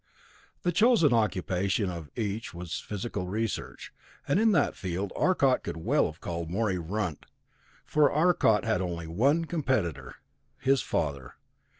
The chosen occupation of each was physical research, and in that field Arcot could well have called Morey "runt", for Arcot had only one competitor his father.